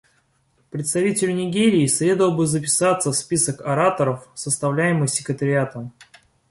Представителю Нигерии следовало бы записаться в список ораторов, составляемый Секретариатом.